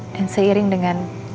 dan seiring dengan